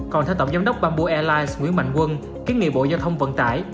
còn theo tổng giám đốc bamboo airlines nguyễn mạnh quân kiến nghị bộ giao thông vận tải